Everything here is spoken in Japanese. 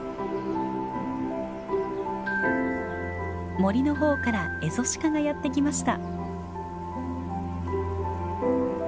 森の方からエゾシカがやって来ました。